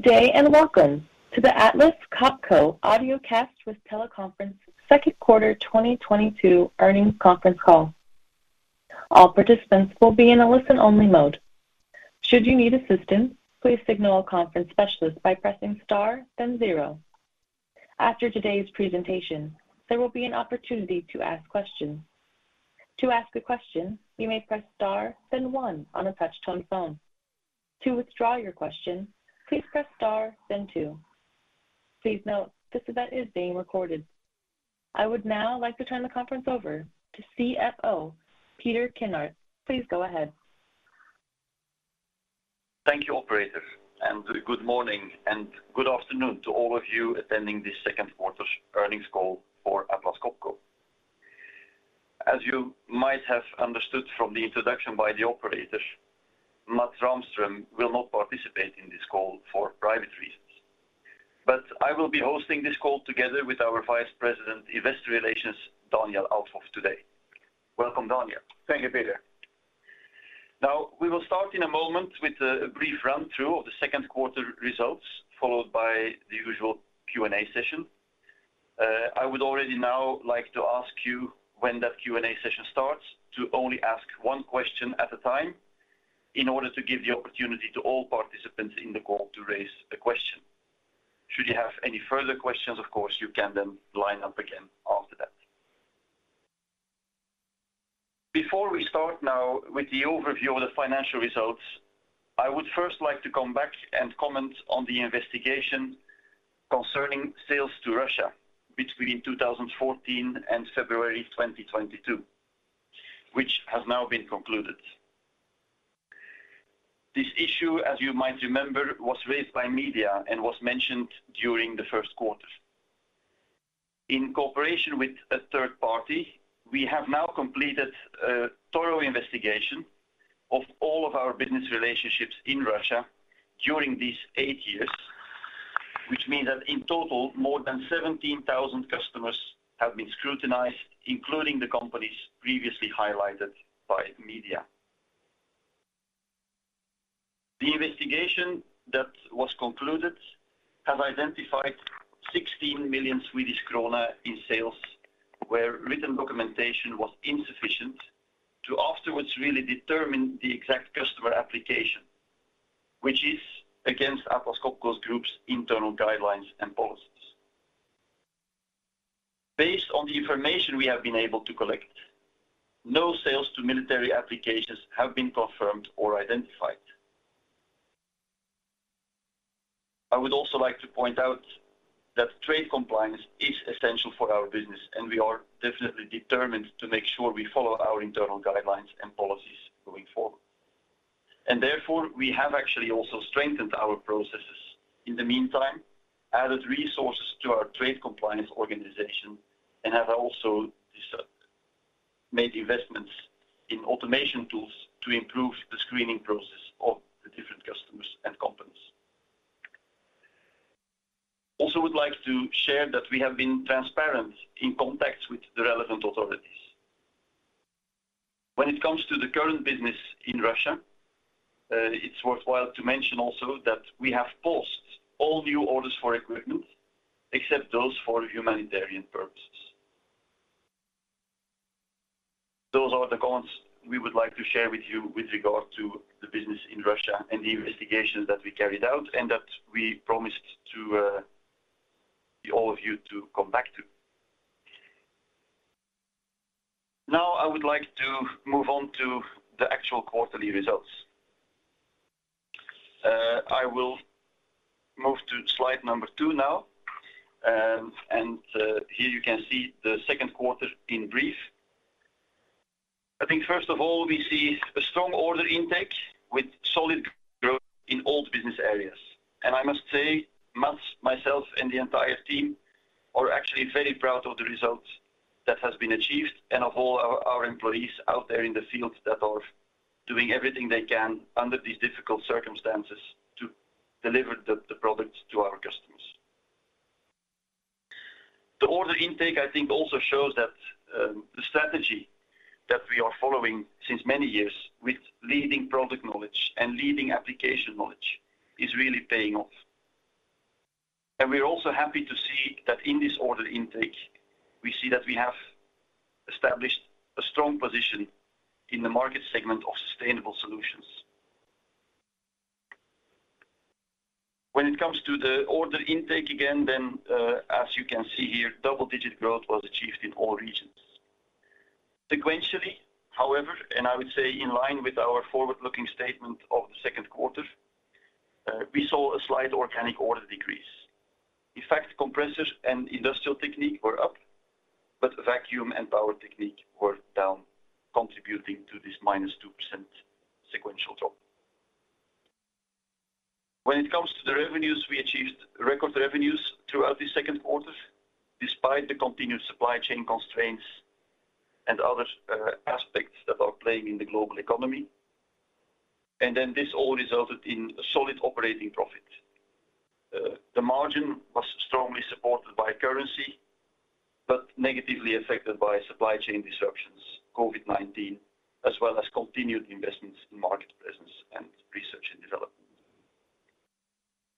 Good day and welcome to the Atlas Copco Audiocast with Teleconference Q2 2022 earnings conference call. All participants will be in a listen only mode. Should you need assistance, please signal a conference specialist by pressing Star then zero. After today's presentation, there will be an opportunity to ask questions. To ask a question, you may press Star then one on a touch-tone phone. To withdraw your question, please press Star then two. Please note this event is being recorded. I would now like to turn the conference over to CFO Peter Kinnart. Please go ahead. Thank you, operator, and good morning and good afternoon to all of you attending this Q2 earnings call for Atlas Copco. As you might have understood from the introduction by the operator, Mats Rahmström will not participate in this call for private reasons. I will be hosting this call together with our Vice President, Investor Relations, Daniel Althoff today. Welcome, Daniel. Thank you, Peter. Now, we will start in a moment with a brief run-through of the Q2 results, followed by the usual Q&A session. I would already now like to ask you when that Q&A session starts to only ask one question at a time in order to give the opportunity to all participants in the call to raise a question. Should you have any further questions, of course, you can then line up again after that. Before we start now with the overview of the financial results, I would first like to come back and comment on the investigation concerning sales to Russia between 2014 and February 2022, which has now been concluded. This issue, as you might remember, was raised by media and was mentioned during the Q1. In cooperation with a third party, we have now completed a thorough investigation of all of our business relationships in Russia during these eight years, which means that in total, more than 17,000 customers have been scrutinized, including the companies previously highlighted by media. The investigation that was concluded has identified 16 million Swedish krona in sales, where written documentation was insufficient to afterwards really determine the exact customer application, which is against Atlas Copco Group's internal guidelines and policies. Based on the information we have been able to collect, no sales to military applications have been confirmed or identified. I would also like to point out that trade compliance is essential for our business, and we are definitely determined to make sure we follow our internal guidelines and policies going forward. Therefore, we have actually also strengthened our processes in the meantime, added resources to our trade compliance organization, and have also made investments in automation tools to improve the screening process of the different customers and companies. Also, would like to share that we have been transparent in contacts with the relevant authorities. When it comes to the current business in Russia, it's worthwhile to mention also that we have paused all new orders for equipment, except those for humanitarian purposes. Those are the comments we would like to share with you with regard to the business in Russia and the investigation that we carried out and that we promised to, all of you to come back to. Now, I would like to move on to the actual quarterly results. I will move to slide number two now. Here you can see the Q2 in brief. I think first of all, we see a strong order intake with solid growth in all business areas. I must say, Mats, myself and the entire team are actually very proud of the results that has been achieved and of all our employees out there in the field that are doing everything they can under these difficult circumstances to deliver the products to our customers. The order intake, I think, also shows that the strategy that we are following since many years with leading product knowledge and leading application knowledge is really paying off. We're also happy to see that in this order intake, we see that we have established a strong position in the market segment of sustainable solutions. When it comes to the order intake again, then, as you can see here, double-digit growth was achieved in all regions. Sequentially, however, and I would say in line with our forward-looking statement of the Q2, we saw a slight organic order decrease. In fact, Compressor Technique and Industrial Technique were up, but Vacuum Technique and Power Technique were down, contributing to this -2% sequential drop. When it comes to the revenues, we achieved record revenues throughout the Q2 despite the continued supply chain constraints and other, aspects that are playing in the global economy. Then this all resulted in a solid operating profit. The margin was strongly supported by currency but negatively affected by supply chain disruptions, COVID-19, as well as continued investments in market presence and research and development.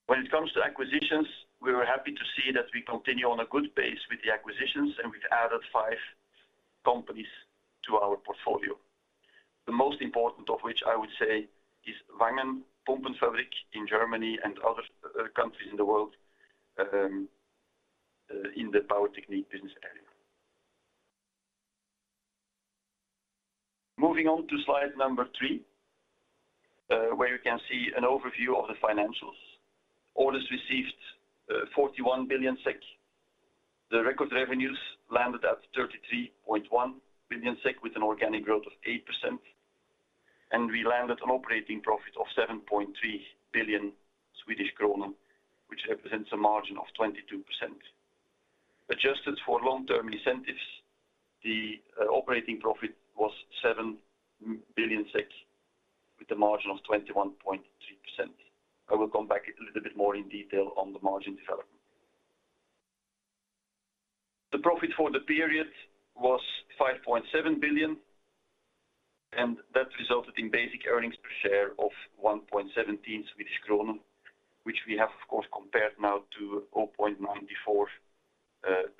When it comes to acquisitions, we were happy to see that we continue on a good pace with the acquisitions, and we've added five companies to our portfolio. The most important of which I would say is Pumpenfabrik Wangen in Germany and other countries in the world in the Power Technique business area. Moving on to slide number three, where you can see an overview of the financials. Orders received, 41 billion SEK. The record revenues landed at 33.1 billion SEK with an organic growth of 8%. We landed an operating profit of 7.3 billion, which represents a margin of 22%. Adjusted for long-term incentives, the operating profit was 7 billion SEK with a margin of 21.3%. I will come back a little bit more in detail on the margin development. The profit for the period was 5.7 billion, and that resulted in basic earnings per share of 1.17, which we have of course compared now to 0.94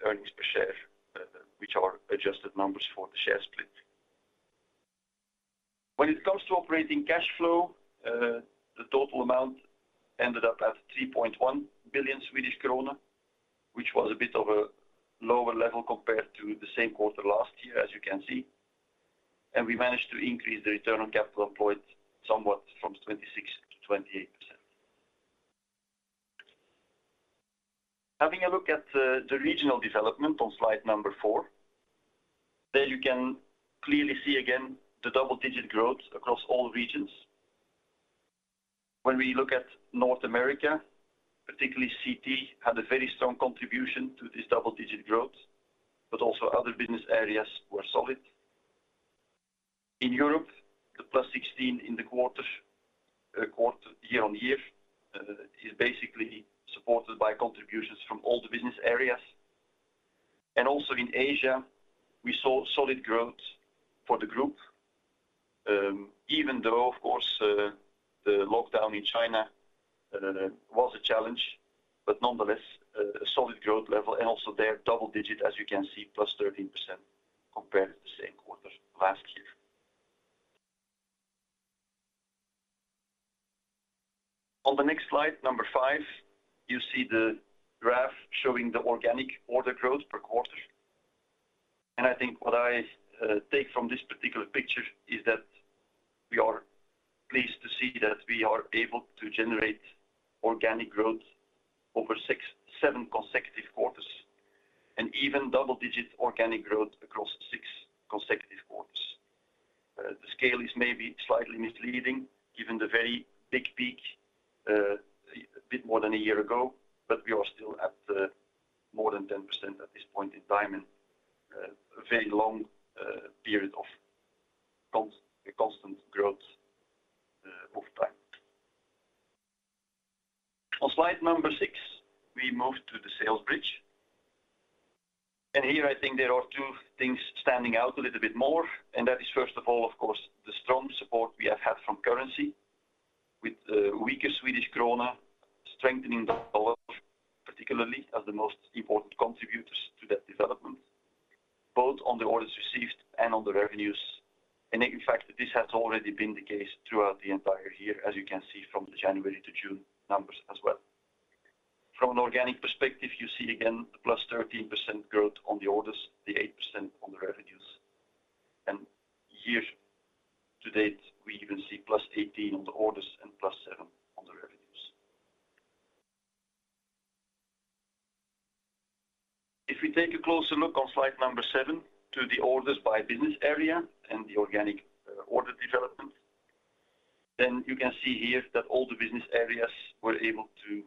earnings per share, which are adjusted numbers for the share split. When it comes to operating cash flow, the total amount ended up at 3.1 billion Swedish krona, which was a bit of a lower level compared to the same quarter last year, as you can see. We managed to increase the return on capital employed somewhat from 26%-28%. Having a look at the regional development on slide number 4, there you can clearly see again the double-digit growth across all regions. When we look at North America, particularly CT, had a very strong contribution to this double-digit growth, but also other business areas were solid. In Europe, the +16 in the quarter year-on-year, is basically supported by contributions from all the business areas. Also in Asia, we saw solid growth for the group, even though, of course, the lockdown in China was a challenge, but nonetheless a solid growth level and also there double-digit, as you can see, +13% compared to the same quarter last year. On the next slide, number 5, you see the graph showing the organic order growth per quarter. I think what I take from this particular picture is that we are pleased to see that we are able to generate organic growth over six, seven consecutive quarters, and even double-digit organic growth across six consecutive quarters. The scale is maybe slightly misleading given the very big peak a bit more than a year ago, but we are still at more than 10% at this point in time and a very long period of constant growth of time. On slide number 6, we move to the sales bridge. Here I think there are two things standing out a little bit more, and that is first of all, of course, the strong support we have had from currency with weaker Swedish krona strengthening the dollar, particularly as the most important contributors to that development, both on the orders received and on the revenues. In fact, this has already been the case throughout the entire year, as you can see from the January to June numbers as well. From an organic perspective, you see again the plus 13% growth on the orders, the 8% on the revenues. Year to date, we even see plus 18% on the orders and plus 7% on the revenues. If we take a closer look on slide number 7 to the orders by business area and the organic order development, then you can see here that all the business areas were able to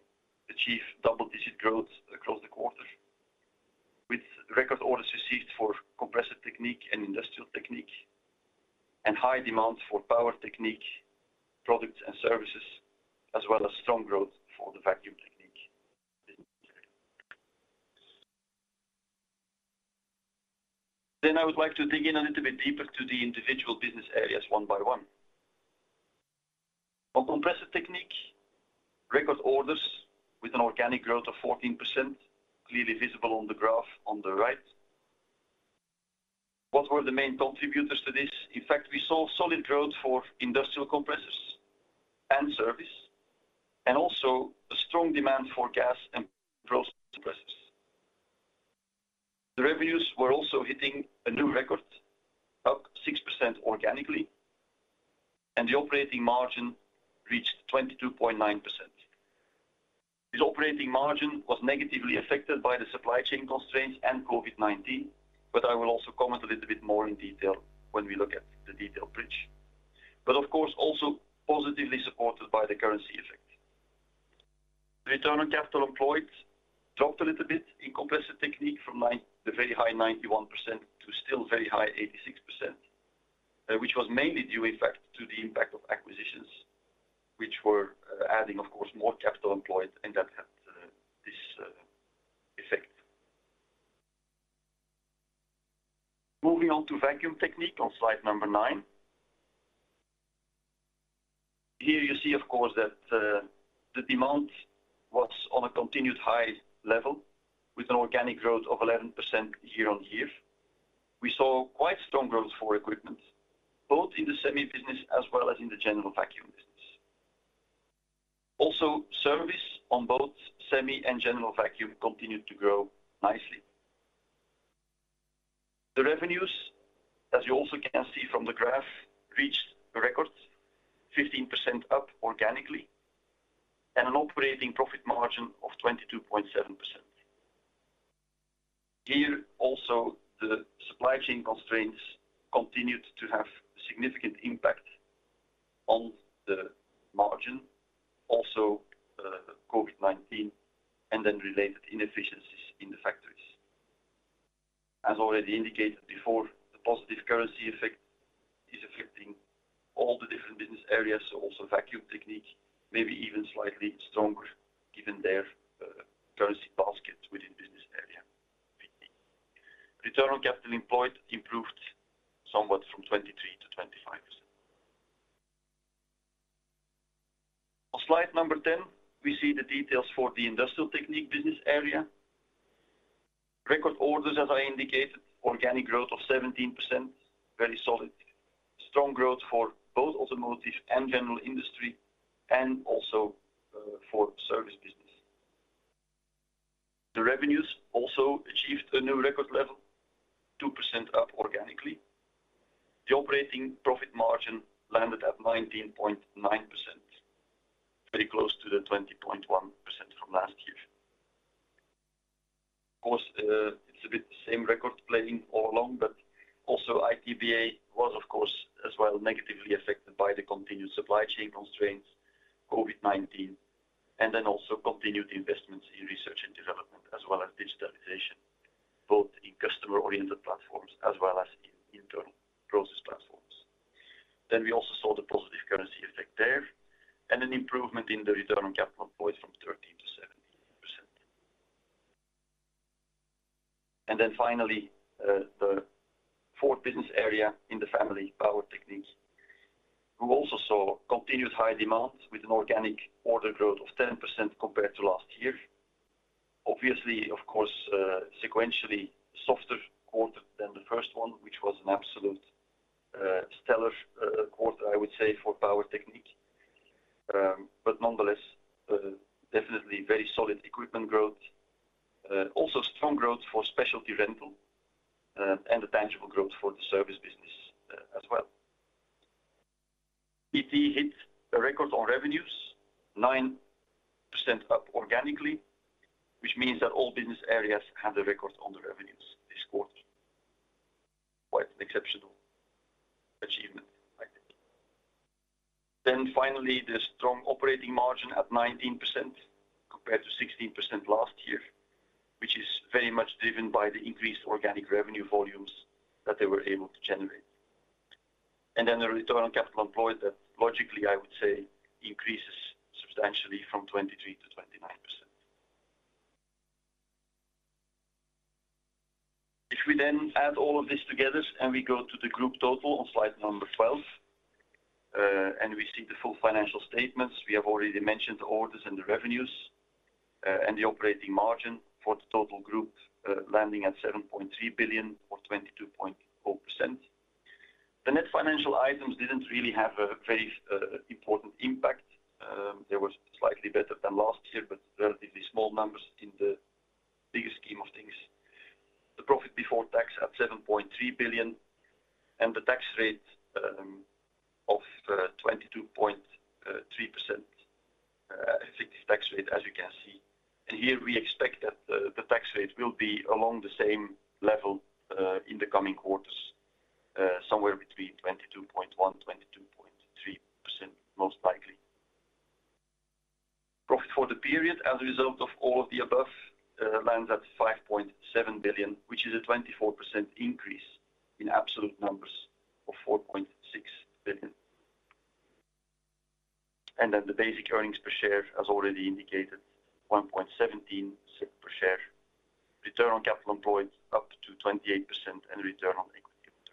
achieve double-digit growth across the quarter with record orders received for Compressor Technique and Industrial Technique, and high demands for Power Technique products and services, as well as strong growth for the Vacuum Technique. I would like to dig in a little bit deeper to the individual business areas one by one. On Compressor Technique, record orders with an organic growth of 14% clearly visible on the graph on the right. What were the main contributors to this? In fact, we saw solid growth for industrial compressors and service, and also a strong demand for gas and process compressors. The revenues were also hitting a new record, up 6% organically, and the operating margin reached 22.9%. This operating margin was negatively affected by the supply chain constraints and COVID-19, but I will also comment a little bit more in detail when we look at the detail bridge. Of course, also positively supported by the currency effect. The return on capital employed dropped a little bit in Compressor Technique from the very high 91% to still very high 86%. Which was mainly due in fact to the impact of acquisitions, which were adding of course more capital employed and that had this effect. Moving on to Vacuum Technique on slide 9. Here you see, of course, that the demand was on a continued high level with an organic growth of 11% year-on-year. We saw quite strong growth for equipment, both in the semi business as well as in the general vacuum business. Also, service on both semi and general vacuum continued to grow nicely. The revenues, as you also can see from the graph, reached a record 15% up organically and an operating profit margin of 22.7%. Here also the supply chain constraints continued to have a significant impact on the margin also, COVID-19 and then related inefficiencies in the factories. As already indicated before, the positive currency effect is affecting all the different business areas, so also Vacuum Technique, maybe even slightly stronger given their, currency basket within business area. Return on capital employed improved somewhat from 23%-25%. On slide 10, we see the details for the Industrial Technique business area. Record orders, as I indicated, organic growth of 17%, very solid. Strong growth for both automotive and general industry and also for service business. The revenues also achieved a new record level, 2% up organically. The operating profit margin landed at 19.9%, very close to the 20.1% from last year. Of course, it's a bit the same record playing all along, but also ITBA was of course as well negatively affected by the continued supply chain constraints, COVID-19 and then also continued investments in research and development as well as digitalization, both in customer-oriented platforms as well as in internal process platforms. We also saw the positive currency effect there and an improvement in the return on capital employed from 13%-17%. The fourth business area in the family, Power Technique, who also saw continuous high demand with an organic order growth of 10% compared to last year. Obviously, of course, sequentially softer quarter than the first one, which was an absolute stellar quarter I would say for Power Technique. But nonetheless, definitely very solid equipment growth. Also strong growth for Specialty Rental, and a tangible growth for the service business, as well. PT hit a record on revenues, 9% up organically, which means that all business areas had a record on the revenues this quarter. Quite an exceptional achievement, I think. Finally, the strong operating margin at 19% compared to 16% last year, which is very much driven by the increased organic revenue volumes that they were able to generate. The return on capital employed that logically I would say increases substantially from 23%-29%. If we then add all of this together and we go to the group total on slide number 12, and we see the full financial statements. We have already mentioned the orders and the revenues, and the operating margin for the total group, landing at 7.3 billion or 22.4%. The net financial items didn't really have a very, important impact. They were slightly better than last year, but relatively small numbers in the bigger scheme of things. The profit before tax at 7.3 billion and the tax rate, of 22.3%, I think this tax rate as you can see. Here we expect that the tax rate will be along the same level in the coming quarters, somewhere between 22.1%-22.3% most likely. Profit for the period as a result of all of the above lands at 5.7 billion, which is a 24% increase in absolute numbers of 4.6 billion. The basic earnings per share as already indicated, 1.17 per share. Return on capital employed up to 28% and return on equity at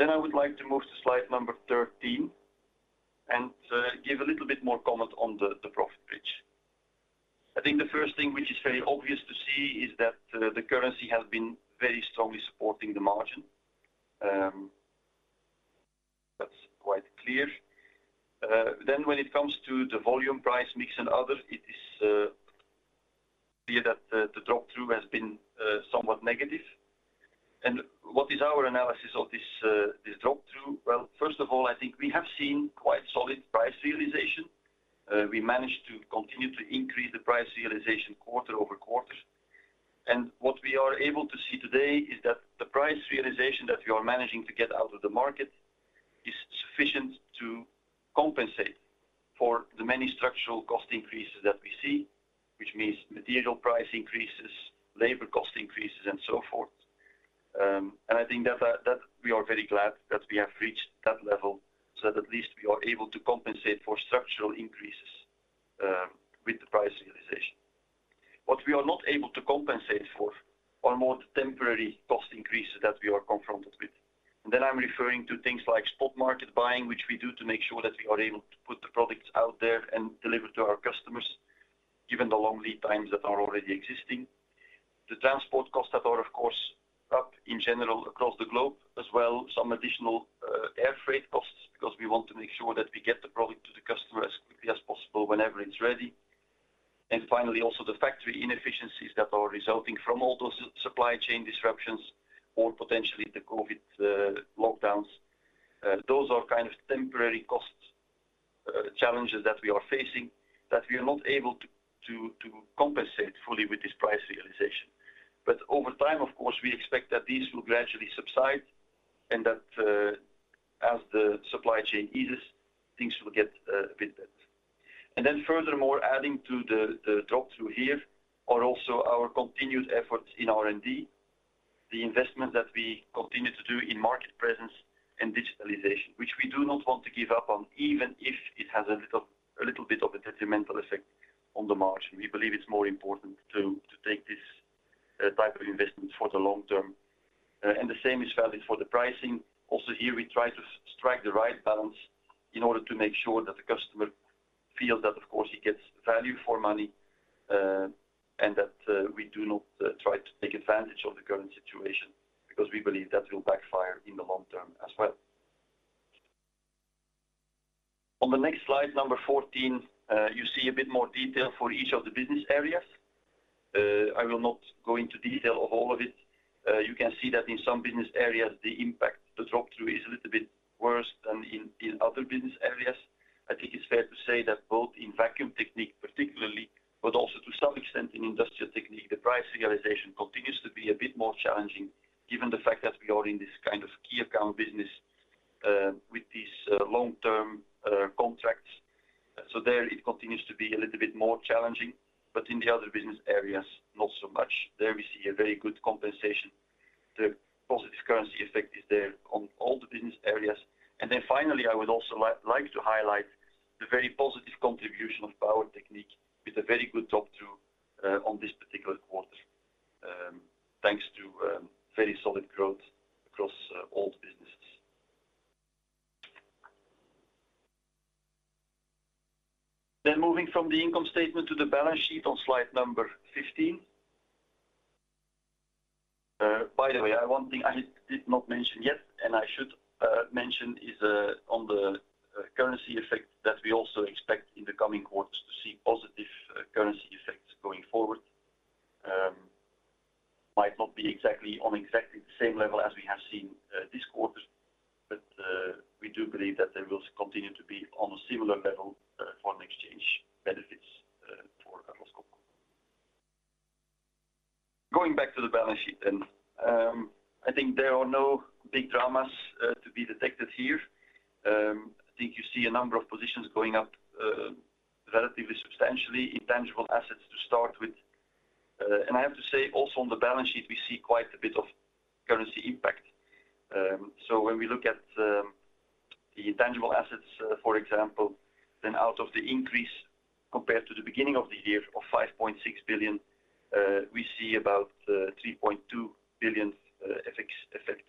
31%. I would like to move to slide number 13 and give a little bit more comment on the profit bridge. I think the first thing which is very obvious to see is that the currency has been very strongly supporting the margin. That's quite clear. When it comes to the volume price mix and other, it is clear that the drop-through has been somewhat negative. What is our analysis of this drop-through? Well, first of all, I think we have seen quite solid price realization. We managed to continue to increase the price realization quarter-over-quarter. What we are able to see today is that the price realization that we are managing to get out of the market is sufficient to compensate for the many structural cost increases that we see, which means material price increases, labor cost increases, and so forth. I think that we are very glad that we have reached that level, so that at least we are able to compensate for structural increases with the price realization. What we are not able to compensate for are more the temporary cost increases that we are confronted with. I'm referring to things like spot market buying, which we do to make sure that we are able to put the products out there and deliver to our customers, given the long lead times that are already existing. The transport costs that are of course up in general across the globe, as well as some additional air freight costs because we want to make sure that we get the product to the customer as quickly as possible whenever it's ready. Finally, also the factory inefficiencies that are resulting from all those supply chain disruptions or potentially the COVID lockdowns. Those are kind of temporary costs, challenges that we are facing that we are not able to compensate fully with this price realization. Over time, of course, we expect that these will gradually subside and that, as the supply chain eases, things will get a bit better. Furthermore, adding to the drop through here are also our continued efforts in R&D, the investment that we continue to do in market presence and digitalization, which we do not want to give up on even if it has a little bit of a detrimental effect on the margin. We believe it's more important to take this type of investment for the long term. The same is valid for the pricing. Here, we try to strike the right balance in order to make sure that the customer feels that of course he gets value for money, and that we do not try to take advantage of the current situation because we believe that will backfire in the long term as well. On the next slide, number 14, you see a bit more detail for each of the business areas. I will not go into detail of all of it. You can see that in some business areas, the impact, the drop through is a little bit worse than in other business areas. I think it's fair to say that both in Vacuum Technique particularly, but also to some extent in Industrial Technique, the price realization continues to be a bit more challenging given the fact that we are in this kind of key account business with these long-term contracts. So there it continues to be a little bit more challenging, but in the other business areas, not so much. There we see a very good compensation. The positive currency effect is there on all the business areas. And then finally, I would also like to highlight the very positive contribution of Power Technique with a very good drop through on this particular quarter, thanks to very solid growth across all the businesses. Moving from the income statement to the balance sheet on slide number 15. By the way, one thing I did not mention yet, and I should mention, is on the currency effect that we also expect in the coming quarters to see positive currency effects going forward. Might not be exactly on the same level as we have seen this quarter, but we do believe that they will continue to be on a similar level, foreign exchange benefits for Atlas Copco. Going back to the balance sheet, I think there are no big dramas to be detected here. I think you see a number of positions going up relatively substantially in intangible assets to start with. I have to say also on the balance sheet, we see quite a bit of currency impact. When we look at the tangible assets, for example, then out of the increase compared to the beginning of the year of 5.6 billion, we see about 3.2 billion FX effect,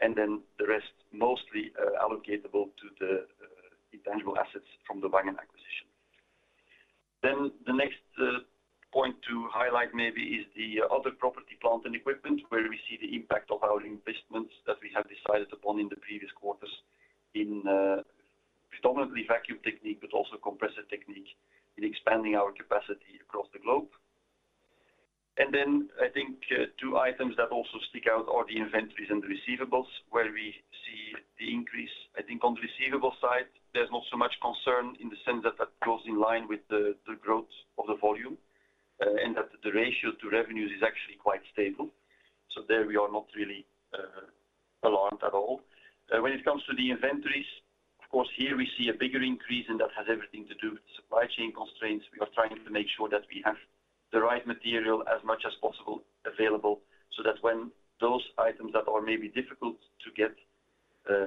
and then the rest mostly attributable to the intangible assets from the Wangen acquisition. The next point to highlight maybe is the other property, plant, and equipment where we see the impact of our investments that we have decided upon in the previous quarters in predominantly Vacuum Technique, but also Compressor Technique in expanding our capacity across the globe. I think two items that also stick out are the inventories and the receivables where we see the increase. I think on the receivables side, there's not so much concern in the sense that that goes in line with the growth of the volume, and that the ratio to revenues is actually quite stable. There we are not really alarmed at all. When it comes to the inventories, of course here we see a bigger increase and that has everything to do with supply chain constraints. We are trying to make sure that we have the right material as much as possible available so that when those items that are maybe difficult to get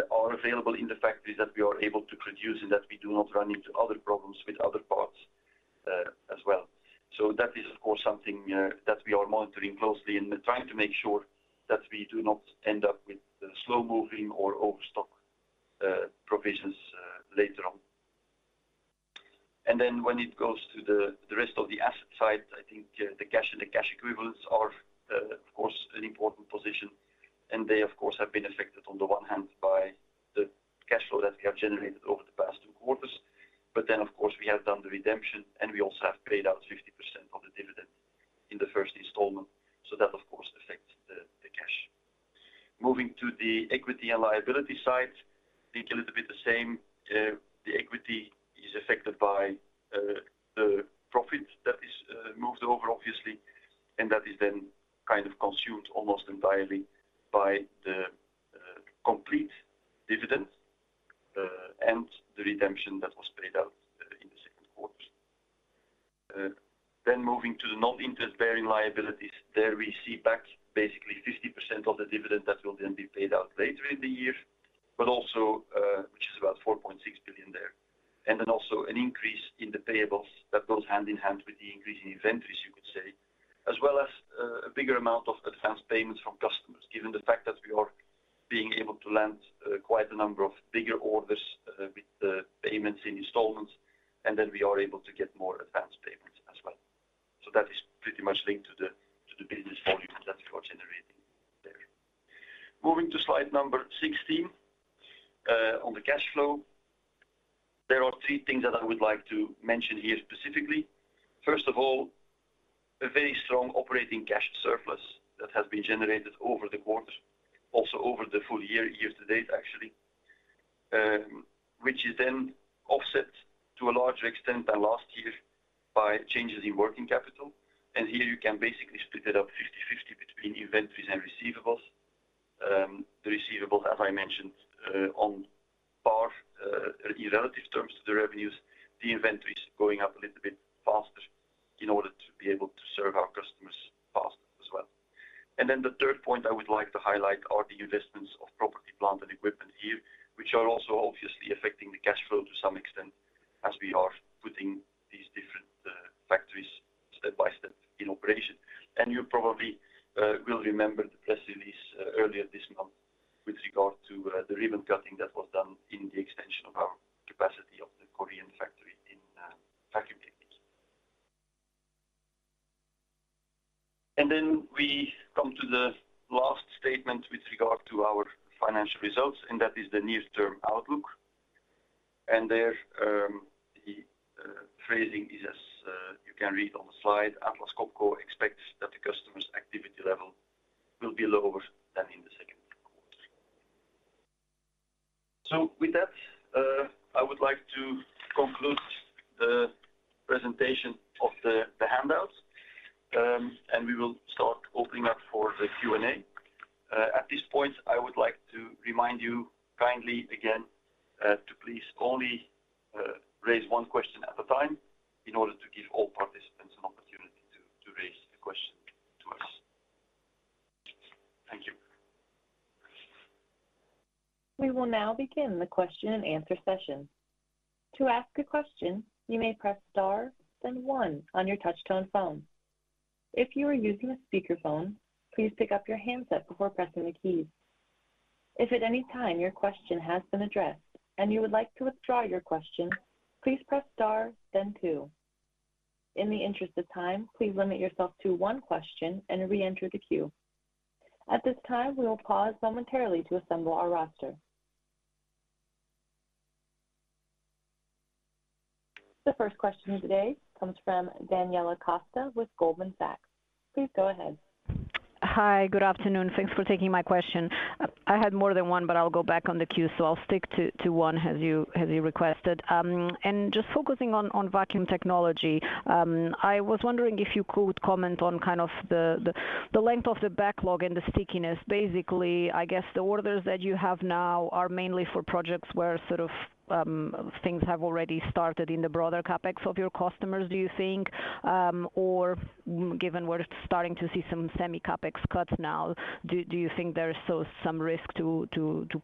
are available in the factories that we are able to produce and that we do not run into other problems with other parts as well. That is of course something that we are monitoring closely and trying to make sure that we do not end up with slow-moving or overstock provisions later on. When it goes to the rest of the asset side, I think the cash and the cash equivalents are of course an important position, and they of course have been affected on the one hand by the cash flow that we have generated over the past two quarters. Of course we have done the redemption and we also have paid out 50% of the dividend in the first installment, so that of course affects the cash. Moving to the equity and liability side, I think a little bit the same. The equity is affected by the profit that is moved over obviously, and that is then kind of consumed almost entirely by the complete dividend and the redemption that was paid out in the Q2. Moving to the non-interest-bearing liabilities. There we see back basically 50% of the dividend that will then be paid out later in the year, but also, which is about 4.6 billion there. Also an increase in the payables that goes hand in hand with the increase in inventories, you could say, as well as a bigger amount of advanced payments from customers, given the fact that we are being able to land quite a number of bigger orders with the payments in installments, and then we are able to get more advanced payments as well. That is pretty much linked to the business volume that we are generating there. Moving to slide number 16, on the cash flow. There are three things that I would like to mention here specifically. First of all, a very strong operating cash surplus that has been generated over the quarter, also over the full year to date, actually. Which is then offset to a larger extent than last year by changes in working capital. Here you can basically split it up 50/50 between inventories and receivables. The receivables, as I mentioned, on par, in relative terms to the revenues, the inventory is going up a little bit faster in order to be able to serve our customers faster as well. The third point I would like to highlight are the investments of property, plant, and equipment here, which are also obviously affecting the cash flow to some extent as we are putting these different factories step by step in operation. You probably will remember the press release earlier this month with regard to the ribbon cutting that was done in the extension of our capacity of the Korean factory in vacuum units. We come to the last statement with regard to our financial results, and that is the near-term outlook. There, the phrasing is as you can read on the slide. Atlas Copco expects that the customer's activity level will be lower than in the Q2. With that, I would like to conclude the presentation of the handouts, and we will start opening up for the Q&A. At this point, I would like to remind you kindly again, to please only raise one question at a time in order to give all participants an opportunity to raise a question to us. Thank you. We will now begin the question and answer session. To ask a question, you may press star, then one on your touch-tone phone. If you are using a speakerphone, please pick up your handset before pressing the keys. If at any time your question has been addressed and you would like to withdraw your question, please press star, then two. In the interest of time, please limit yourself to one question and reenter the queue. At this time, we will pause momentarily to assemble our roster. The first question today comes from Daniela Costa with Goldman Sachs. Please go ahead. Hi. Good afternoon. Thanks for taking my question. I had more than one, but I'll go back on the queue, so I'll stick to one as you requested. Just focusing on Vacuum technology, I was wondering if you could comment on kind of the length of the backlog and the stickiness. Basically, I guess the orders that you have now are mainly for projects where sort of things have already started in the broader CapEx of your customers, do you think? Given we're starting to see some semi CapEx cuts now, do you think there is still some risk to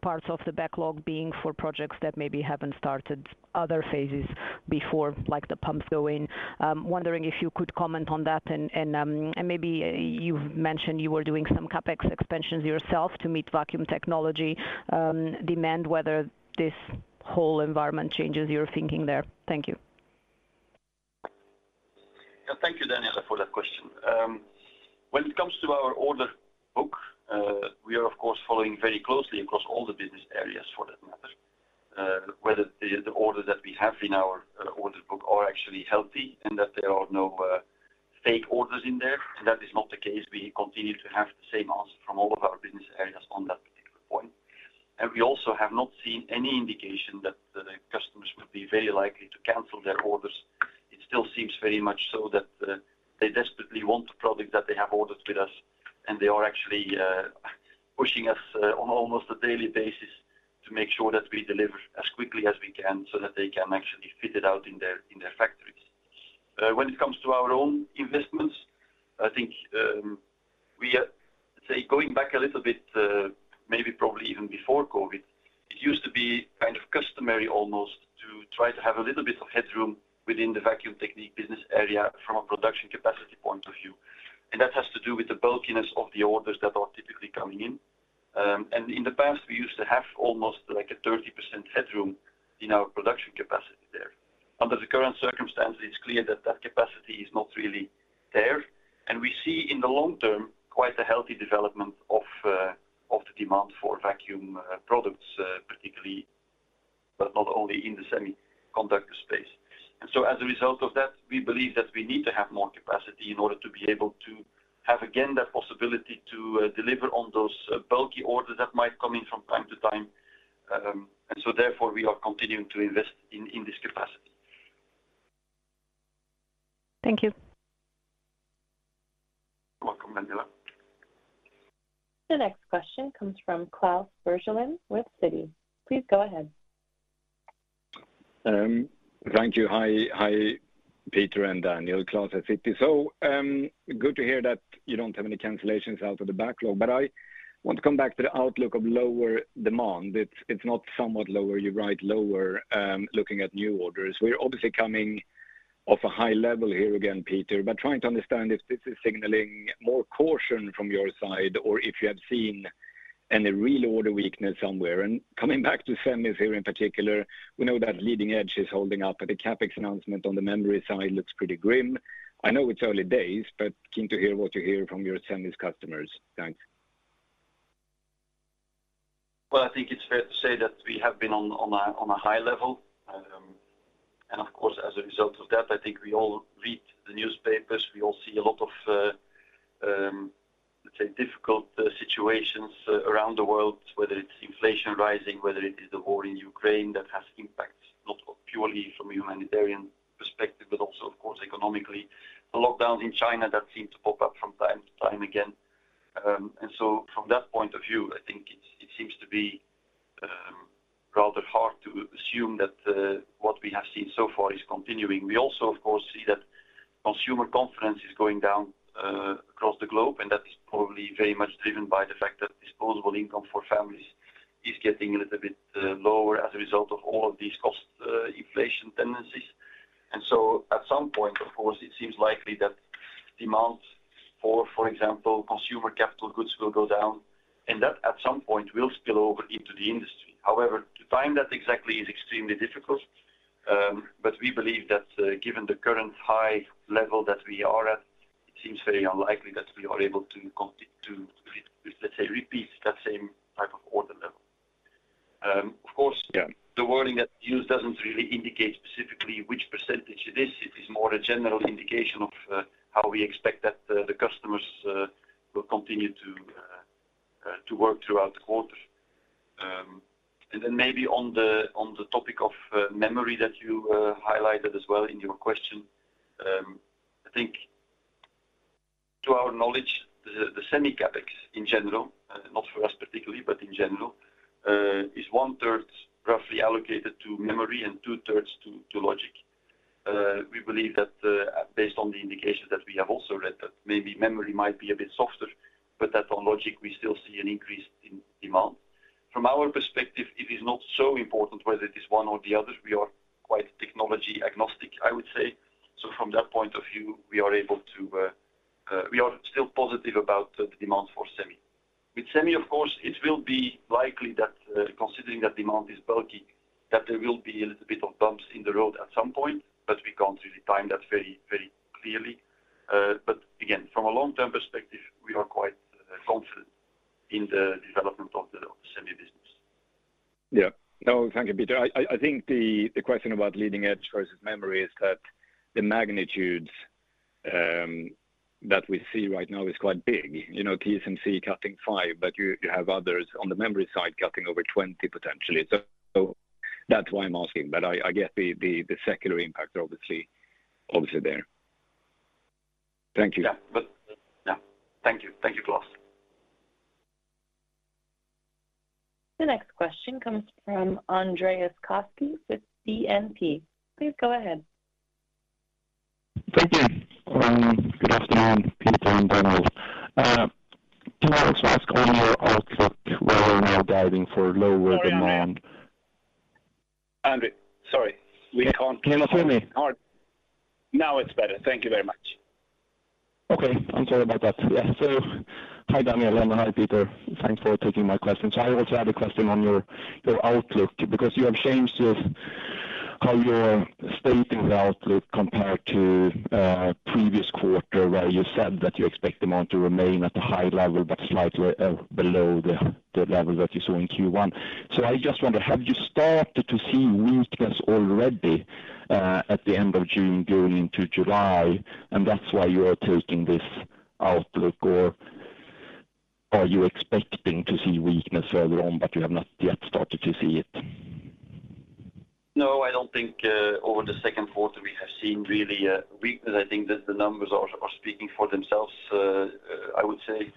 parts of the backlog being for projects that maybe haven't started other phases before, like the pumps go in? Wondering if you could comment on that and maybe you've mentioned you were doing some CapEx expansions yourself to meet Vacuum technology demand, whether this whole environment changes your thinking there? Thank you. Yeah. Thank you, Daniela, for that question. When it comes to our order book, we are of course following very closely across all the business areas for that matter, whether the orders that we have in our order book are actually healthy and that there are no fake orders in there. That is not the case. We continue to have the same answer from all of our business areas on that particular point. We also have not seen any indication that the customers would be very likely to cancel their orders. It still seems very much so that they desperately want the product that they have ordered with us, and they are actually pushing us on almost a daily basis to make sure that we deliver as quickly as we can so that they can actually fit it out in their factories. When it comes to our own investments, I think. Say, going back a little bit, maybe probably even before COVID, it used to be kind of customary almost to try to have a little bit of headroom within the Vacuum Technique business area from a production capacity point of view. That has to do with the bulkiness of the orders that are typically coming in. In the past, we used to have almost like a 30% headroom in our production capacity there. Under the current circumstances, it's clear that capacity is not really there. We see in the long term quite a healthy development of the demand for vacuum products, particularly, but not only in the semiconductor space. As a result of that, we believe that we need to have more capacity in order to be able to have again that possibility to deliver on those bulky orders that might come in from time to time. Therefore, we are continuing to invest in this capacity. Thank you. You're welcome, Daniela. The next question comes from Klas Bergelind with Citi. Please go ahead. Thank you. Hi, Peter and Daniel. Klas at Citi. Good to hear that you don't have any cancellations out of the backlog, but I want to come back to the outlook of lower demand. It's not somewhat lower, you write lower, looking at new orders. We're obviously coming off a high level here again, Peter, but trying to understand if this is signaling more caution from your side or if you have seen any real order weakness somewhere. Coming back to semis here in particular, we know that leading edge is holding up, but the CapEx announcement on the memory side looks pretty grim. I know it's early days, but keen to hear what you hear from your semis customers. Thanks. Well, I think it's fair to say that we have been on a high level. Of course, as a result of that, I think we all read the newspapers. We all see a lot of, let's say, difficult situations around the world, whether it's inflation rising, whether it is the war in Ukraine that has impacts, not purely from a humanitarian perspective, but also, of course, economically. The lockdowns in China that seem to pop up from time to time again. From that point of view, I think it seems to be rather hard to assume that what we have seen so far is continuing. We also, of course, see that consumer confidence is going down across the globe, and that is probably very much driven by the fact that disposable income for families is getting a little bit lower as a result of all of these cost inflation tendencies. At some point, of course, it seems likely that demand for example, consumer capital goods will go down, and that at some point will spill over into the industry. However, to time that exactly is extremely difficult. We believe that, given the current high level that we are at, it seems very unlikely that we are able to, let's say, repeat that same type of order level. Of course. Yeah The wording that's used doesn't really indicate specifically which percentage it is. It is more a general indication of how we expect that the customers will continue to work throughout the quarter. Then maybe on the topic of memory that you highlighted as well in your question. I think to our knowledge, the semi CapEx in general, not for us particularly, but in general, is one-third roughly allocated to memory and two-thirds to logic. We believe that, based on the indications that we have also read that maybe memory might be a bit softer, but that on logic, we still see an increase in demand. From our perspective, it is not so important whether it is one or the other. We are quite technology agnostic, I would say. From that point of view, we are still positive about the demand for semi. With semi, of course, it will be likely that, considering that demand is bulky, that there will be a little bit of bumps in the road at some point, but we can't really time that very, very clearly. Again, from a long-term perspective, we are quite confident in the development of the semi business. Yeah. No, thank you, Peter. I think the question about leading edge versus memory is that the magnitudes that we see right now is quite big. You know, TSMC cutting 5%, but you have others on the memory side cutting over 20% potentially. So that's why I'm asking, but I get the secular impact obviously there. Thank you. Yeah. Thank you. Thank you, Klas. The next question comes from Andreas Koski with BNP. Please go ahead. Thank you. Good afternoon, Peter and Daniel. Can I just ask on your outlook where we're now guiding for lower demand? Sorry, Andreas. Sorry, we can't. Can you hear me? Now it's better. Thank you very much. Okay. I'm sorry about that. Yeah. Hi, Daniel. Hi, Peter. Thanks for taking my questions. I also had a question on your outlook because you have changed the way you're stating the outlook compared to previous quarter, where you said that you expect demand to remain at a high level, but slightly below the level that you saw in Q1. I just wonder, have you started to see weakness already at the end of June going into July, and that's why you are taking this outlook? Or are you expecting to see weakness further on, but you have not yet started to see it? No, I don't think over the Q2, we have seen really a weakness. I think that the numbers are speaking for themselves, I would say.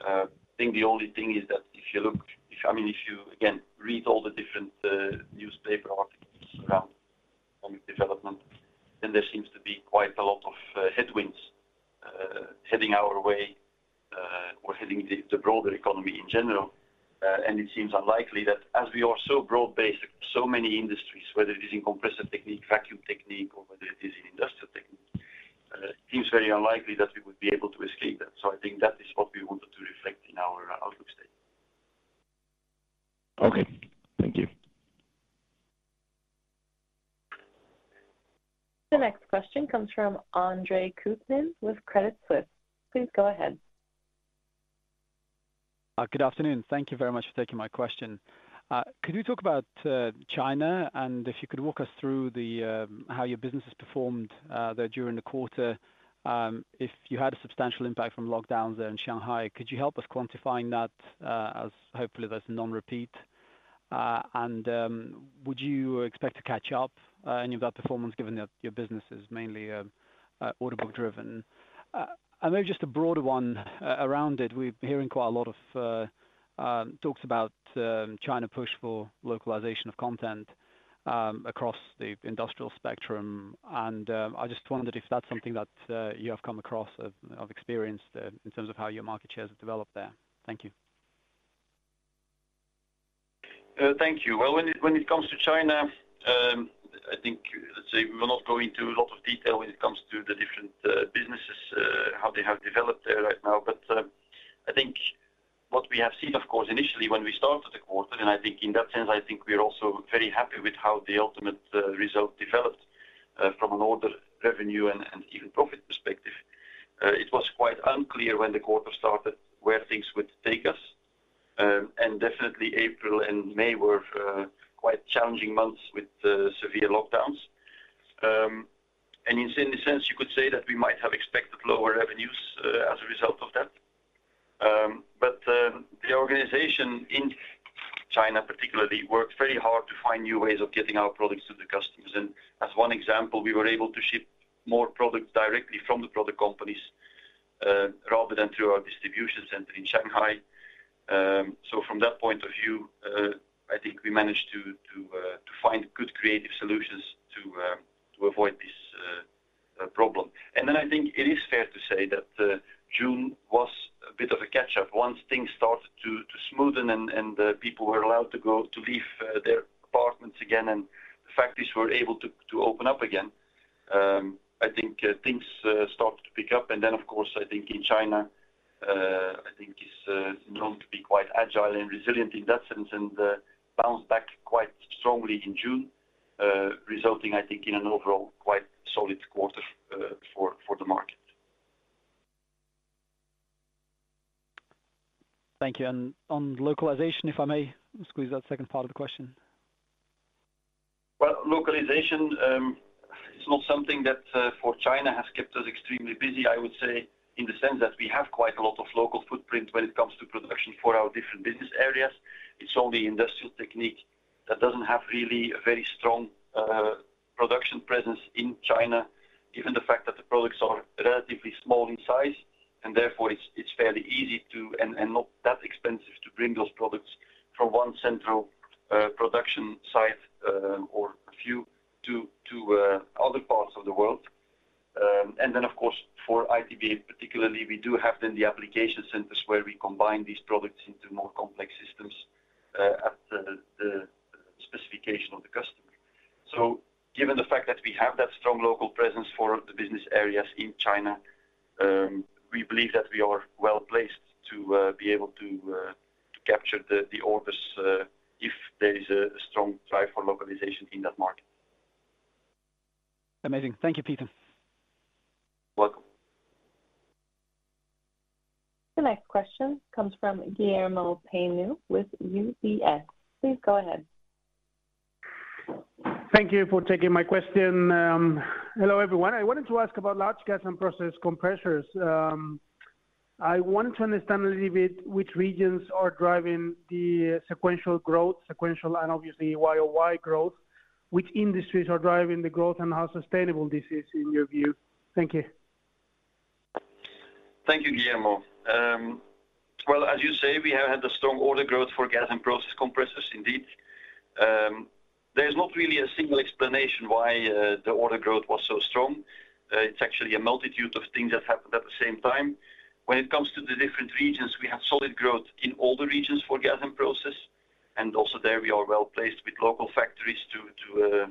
I think the only thing is that I mean, if you again read all the different newspaper articles around economic development, then there seems to be quite a lot of headwinds heading our way, or heading the broader economy in general. It seems unlikely that as we are so broad-based, so many industries, whether it is in Compressor Technique, Vacuum Technique, or whether it is in Industrial Technique, it seems very unlikely that we would be able to escape that. I think that is what we wanted to reflect in our outlook statement. Okay. Thank you. The next question comes from Andre Kukhnin with Credit Suisse. Please go ahead. Good afternoon. Thank you very much for taking my question. Could you talk about China? If you could walk us through how your business has performed there during the quarter. If you had a substantial impact from lockdowns there in Shanghai, could you help us quantifying that, as hopefully that's non-repeat. Would you expect to catch up any of that performance given that your business is mainly order book driven? Maybe just a broader one around it. We're hearing quite a lot of talks about China push for localization of content across the industrial spectrum, and I just wondered if that's something that you have come across or experienced in terms of how your market shares have developed there. Thank you. Thank you. Well, when it comes to China, I think, let's say we will not go into a lot of detail when it comes to the different businesses, how they have developed there right now. I think what we have seen, of course, initially when we started the quarter, I think in that sense, I think we are also very happy with how the ultimate result developed from an order revenue and even profit perspective. It was quite unclear when the quarter started where things would take us. Definitely April and May were quite challenging months with the severe lockdowns. In a sense you could say that we might have expected lower revenues as a result of that. The organization in China particularly worked very hard to find new ways of getting our products to the customers. As one example, we were able to ship more products directly from the product companies, rather than through our distribution center in Shanghai. From that point of view, I think we managed to find good creative solutions to avoid this problem. I think it is fair to say that June was a bit of a catch-up. Once things started to smoothen and people were allowed to leave their apartments again and the factories were able to open up again, I think things started to pick up. Of course, I think in China is known to be quite agile and resilient in that sense and bounced back quite strongly in June, resulting I think in an overall quite solid quarter for the market. Thank you. On localization, if I may squeeze that second part of the question. Well, localization is not something that for China has kept us extremely busy, I would say, in the sense that we have quite a lot of local footprint when it comes to production for our different business areas. It's only Industrial Technique that doesn't have really a very strong production presence in China, given the fact that the products are relatively small in size and therefore it's fairly easy to and not that expensive to bring those products from one central production site or a few to other parts of the world. Of course, for ITB particularly, we do have then the application centers where we combine these products into more complex systems at the specification of the customer. Given the fact that we have that strong local presence for the business areas in China, we believe that we are well-placed to be able to capture the orders if there is a strong drive for localization in that market. Amazing. Thank you, Peter. Welcome. The next question comes from Guillermo Peigneux with UBS. Please go ahead. Thank you for taking my question. Hello, everyone. I wanted to ask about large gas and process compressors. I want to understand a little bit which regions are driving the sequential growth and obviously YOY growth. Which industries are driving the growth and how sustainable this is in your view? Thank you. Thank you, Guillermo. Well, as you say, we have had a strong order growth for gas and process compressors indeed. There's not really a single explanation why the order growth was so strong. It's actually a multitude of things that happened at the same time. When it comes to the different regions, we have solid growth in all the regions for gas and process, and also there we are well-placed with local factories to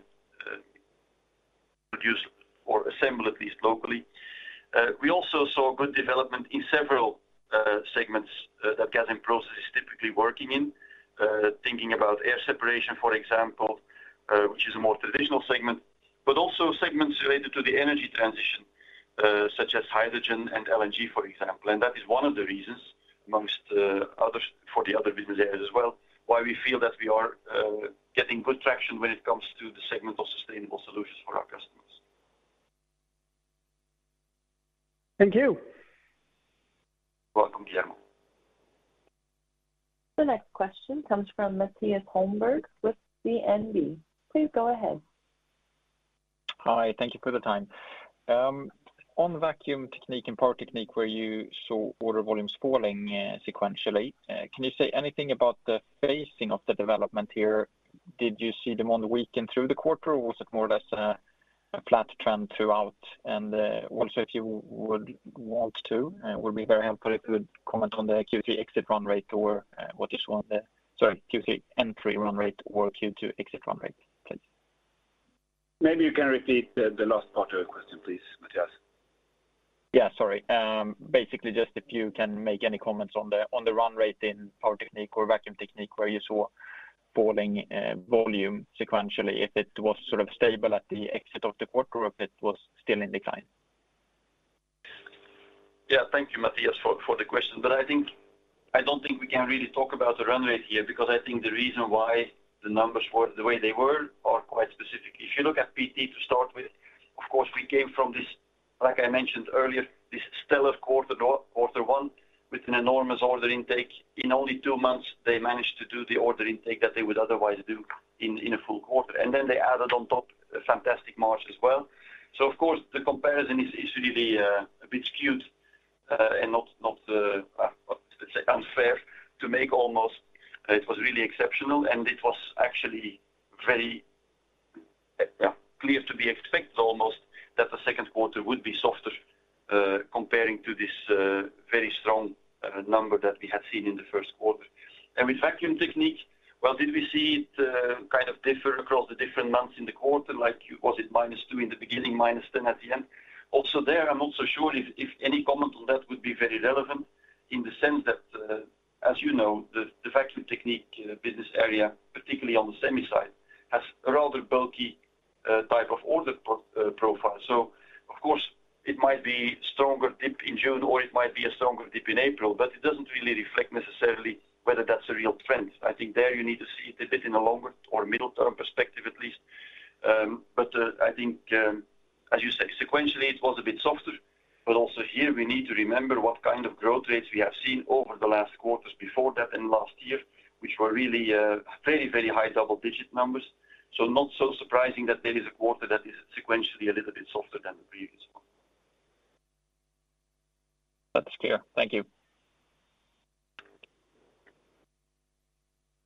produce or assemble at least locally. We also saw good development in several segments that gas and process is typically working in. Thinking about air separation, for example, which is a more traditional segment, but also segments related to the energy transition, such as hydrogen and LNG, for example. That is one of the reasons among others, for the other business areas as well, why we feel that we are getting good traction when it comes to the segment of sustainable solutions for our customers. Thank you. You're welcome, Guillermo. The next question comes from Mattias Holmberg with DNB. Please go ahead. Hi. Thank you for the time. On Vacuum Technique and Power Technique where you saw order volumes falling sequentially, can you say anything about the phasing of the development here? Did you see them weaken through the quarter, or was it more or less a flat trend throughout? Also, it would be very helpful if you would comment on the Q3 entry run rate or Q2 exit run rate, please. Maybe you can repeat the last part of the question, please, Mattias. Yeah, sorry. Basically just if you can make any comments on the run rate in Power Technique or Vacuum Technique where you saw falling volume sequentially, if it was sort of stable at the exit of the quarter or if it was still in decline? Yeah. Thank you, Mattias, for the question. I think I don't think we can really talk about the run rate here because I think the reason why the numbers were the way they were are quite specific. If you look at PT to start with, of course, we came from this, like I mentioned earlier, this stellar quarter one with an enormous order intake. In only two months, they managed to do the order intake that they would otherwise do in a full quarter. Then they added on top a fantastic March as well. Of course, the comparison is really a bit skewed, and not, let's say unfair to make almost. It was really exceptional, and it was actually very clear to be expected almost that the Q2 would be softer, comparing to this very strong number that we had seen in the Q1. With Vacuum Technique, well, did we see it kind of differ across the different months in the quarter? Like, was it -2% in the beginning, -10% at the end? Also there, I'm not sure if any comment on that would be very relevant in the sense that, as you know, the Vacuum Technique business area, particularly on the semi side, has a rather bulky type of order profile. Of course, it might be stronger dip in June, or it might be a stronger dip in April, but it doesn't really reflect necessarily whether that's a real trend. I think there you need to see it a bit in a longer or a middle term perspective at least. I think, as you say, sequentially, it was a bit softer. Also here we need to remember what kind of growth rates we have seen over the last quarters before that in last year, which were really, very, very high double-digit numbers. Not so surprising that there is a quarter that is sequentially a little bit softer than the previous one. That's clear. Thank you.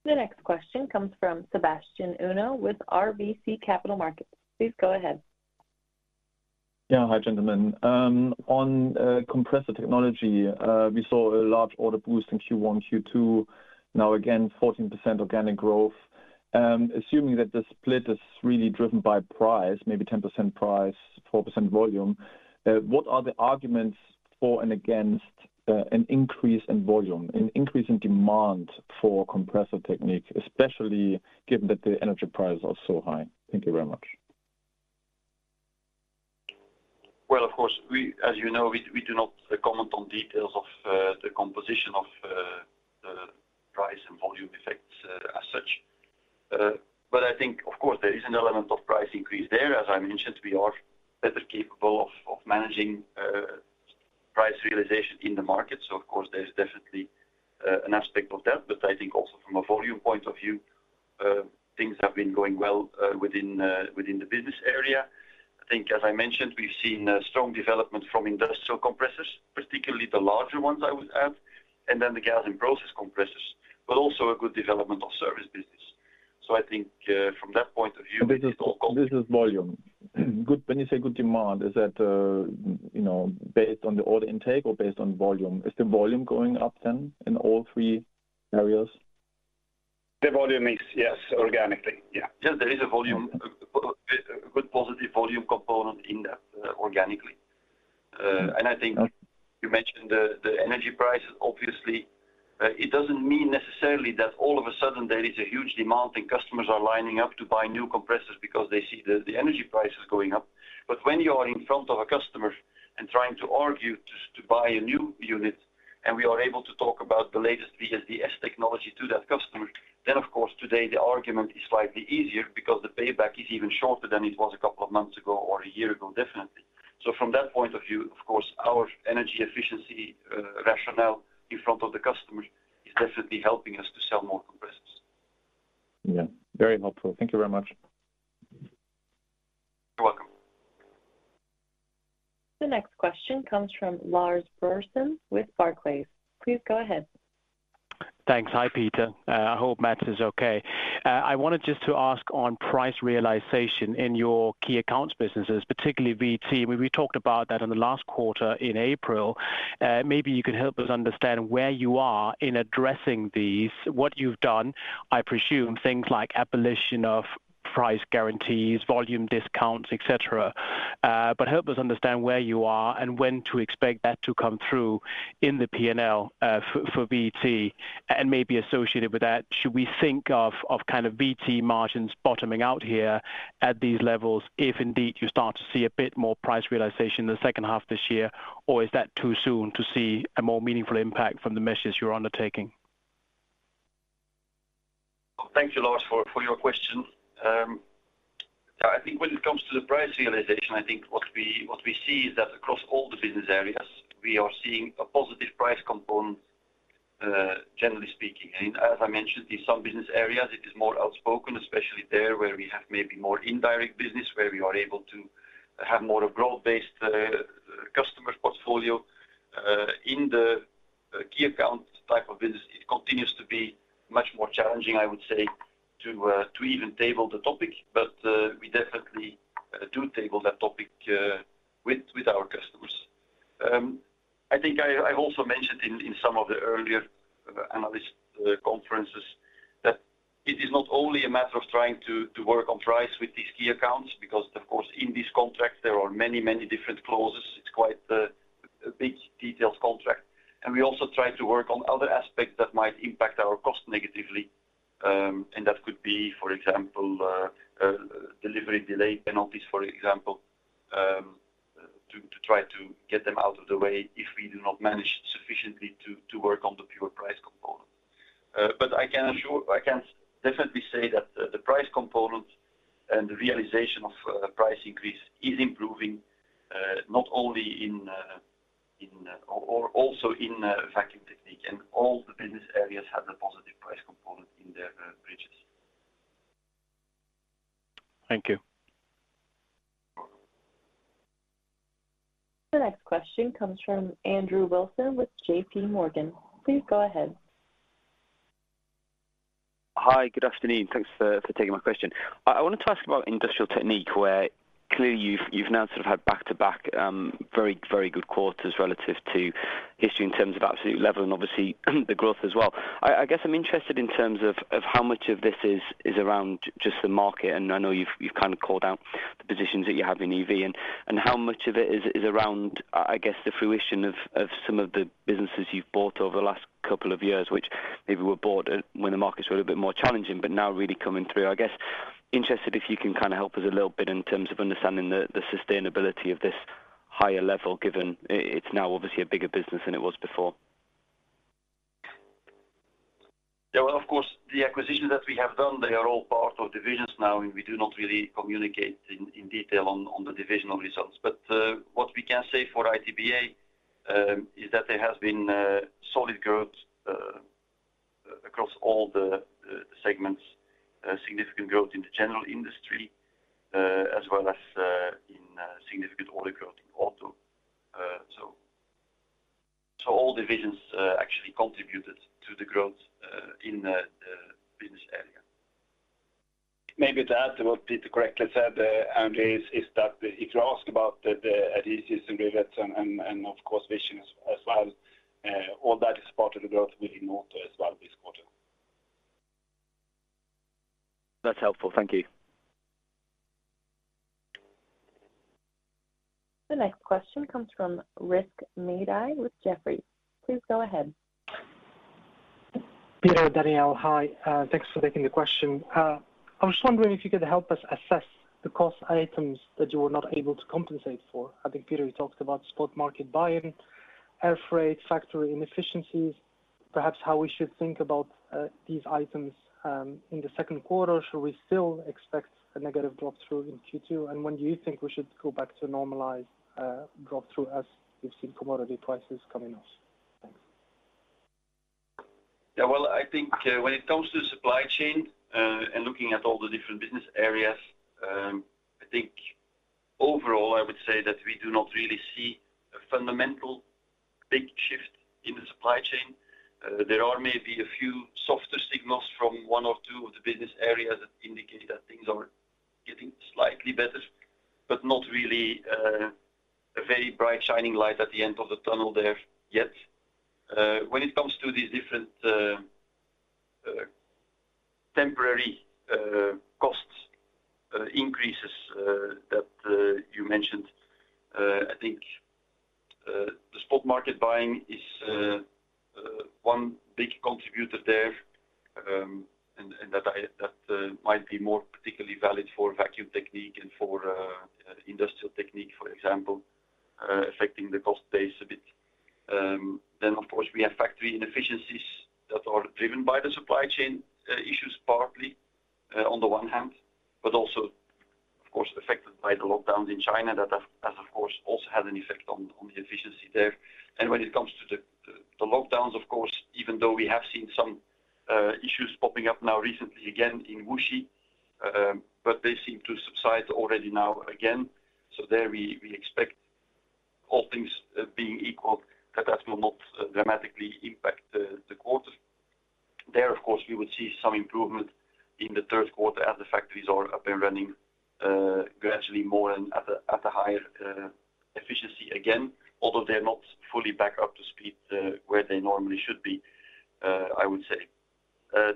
The next question comes from Sebastian Kuenne with RBC Capital Markets. Please go ahead. Yeah. Hi, gentlemen. On Compressor Technique, we saw a large order boost in Q1, Q2. Now, again, 14% organic growth. Assuming that the split is really driven by price, maybe 10% price, 4% volume, what are the arguments for and against an increase in volume, an increase in demand for Compressor Technique, especially given that the energy prices are so high? Thank you very much. Well, of course, as you know, we do not comment on details of the composition of the price and volume effects, as such. I think, of course, there is an element of price increase there. As I mentioned, we are better capable of managing price realization in the market. Of course, there's definitely an aspect of that. I think also from a volume point of view, things have been going well within the business area. I think as I mentioned, we've seen strong development from industrial compressors, particularly the larger ones I would add, and then the gas and process compressors, but also a good development of service business. I think from that point of view. Business volume. When you say good demand, is that, you know, based on the order intake or based on volume? Is the volume going up then in all three areas? The volume is organically. Yes, there is a volume, a good positive volume component in that organically. I think you mentioned the energy prices, obviously. It doesn't mean necessarily that all of a sudden there is a huge demand and customers are lining up to buy new compressors because they see the energy prices going up. When you are in front of a customer and trying to argue to buy a new unit, and we are able to talk about the latest VSD technology to that customer, then of course, today the argument is slightly easier because the payback is even shorter than it was a couple of months ago or a year ago, definitely. From that point of view, of course, our energy efficiency rationale in front of the customer is definitely helping us to sell more compressors. Yeah. Very helpful. Thank you very much. You're welcome. The next question comes from Lars Brorson with Barclays. Please go ahead. Thanks. Hi, Peter. I hope Mats is okay. I wanted just to ask on price realization in your key accounts businesses, particularly VT. We talked about that in the last quarter in April. Maybe you could help us understand where you are in addressing these, what you've done. I presume things like abolition of price guarantees, volume discounts, etcetera. Help us understand where you are and when to expect that to come through in the P&L for VT. Maybe associated with that, should we think of kind of VT margins bottoming out here at these levels, if indeed you start to see a bit more price realization in the second half this year? Is that too soon to see a more meaningful impact from the measures you're undertaking? Thank you, Lars, for your question. I think when it comes to the price realization, I think what we see is that across all the business areas, we are seeing a positive price component, generally speaking. As I mentioned, in some business areas, it is more outspoken, especially there where we have maybe more indirect business, where we are able to have more of growth-based customer portfolio. In the key account type of business, it continues to be much more challenging, I would say, to even table the topic, but we definitely do table that topic with our customers. I think I also mentioned in some of the earlier analyst conferences that it is not only a matter of trying to work on price with these key accounts, because of course, in these contracts, there are many, many different clauses. It's quite a detailed contract. We also try to work on other aspects that might impact our cost negatively. That could be, for example, delivery delay penalties, for example, to try to get them out of the way if we do not manage sufficiently to work on the pure price component. I can assure, I can definitely say that the price component and the realization of price increase is improving, not only in, also in Vacuum Technique, and all the business areas have a positive price component in their bridges. Thank you. The next question comes from Andrew Wilson with JPMorgan. Please go ahead. Hi. Good afternoon. Thanks for taking my question. I wanted to ask about Industrial Technique, where clearly you've now sort of had back-to-back very good quarters relative to history in terms of absolute level and obviously the growth as well. I guess I'm interested in terms of how much of this is around just the market, and I know you've kind of called out the positions that you have in EV, and how much of it is around, I guess, the fruition of some of the businesses you've bought over the last couple of years, which maybe were bought when the markets were a little bit more challenging, but now really coming through. I guess interested if you can kind of help us a little bit in terms of understanding the sustainability of this higher level, given it's now obviously a bigger business than it was before. Yeah. Well, of course, the acquisitions that we have done, they are all part of divisions now, and we do not really communicate in detail on the divisional results. What we can say for ITBA is that there has been solid growth across all the segments, significant growth in the general industry, as well as significant order growth in auto. All divisions actually contributed to the growth in the business area. Maybe to add to what Peter correctly said, Andrew, is that if you ask about the adhesives and rivets and of course visions as well, all that is part of the growth within auto as well this quarter. That's helpful. Thank you. The next question comes from Rizk Maidi with Jefferies. Please go ahead. Peter Kinnart, Daniel Althoff, hi. Thanks for taking the question. I was wondering if you could help us assess the cost items that you were not able to compensate for. I think, Peter Kinnart, you talked about spot market buying, air freight, factory inefficiencies, perhaps how we should think about these items in the Q2. Should we still expect a negative drop-through in Q2? When do you think we should go back to normalized drop-through as we've seen commodity prices coming up? Thanks. Yeah. Well, I think when it comes to supply chain, and looking at all the different business areas, I think overall, I would say that we do not really see a fundamental big shift in the supply chain. There are maybe a few softer signals from one or two of the business areas that indicate that things are getting slightly better, but not really a very bright shining light at the end of the tunnel there yet. When it comes to these different temporary cost increases that you mentioned, I think the spot market buying is one big contributor there, and that might be more particularly valid for Vacuum Technique and for Industrial Technique, for example, affecting the cost base a bit. Of course, we have factory inefficiencies that are driven by the supply chain issues partly, on the one hand, but also of course affected by the lockdowns in China. That has of course also had an effect on the efficiency there. When it comes to the lockdowns, of course, even though we have seen some issues popping up now recently again in Wuxi, but they seem to subside already now again. There we expect all things being equal, that will not dramatically impact the quarter. There, of course, we will see some improvement in the Q3 as the factories are up and running gradually more and at a higher efficiency again, although they're not fully back up to speed where they normally should be, I would say.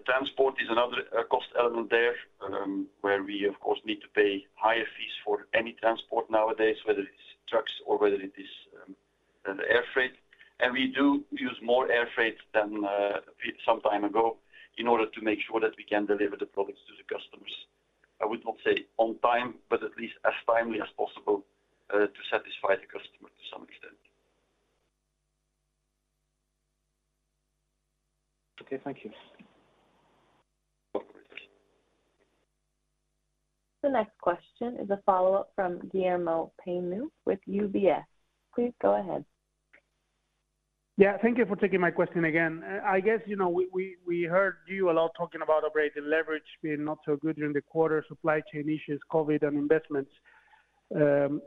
Transport is another cost element there, where we of course need to pay higher fees for any transport nowadays, whether it's trucks or whether it is air freight. We do use more air freight than we did some time ago in order to make sure that we can deliver the products to the customers. I would not say on time, but at least as timely as possible, to satisfy the customer to some extent. Okay. Thank you. No problem. The next question is a follow-up from Guillermo Peigneux with UBS. Please go ahead. Yeah. Thank you for taking my question again. I guess, you know, we heard you a lot talking about operating leverage being not so good during the quarter, supply chain issues, COVID and investments